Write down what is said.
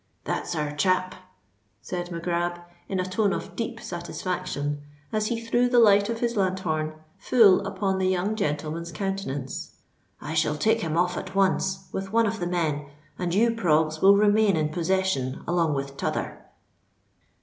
"That's our chap," said Mac Grab, in a tone of deep satisfaction, as he threw the light of his lanthorn full upon the young gentleman's countenance. "I shall take him off at once, with one of the men; and you, Proggs, will remain in possession along with t'other."